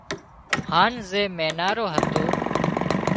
هانَ زي مينارو هتو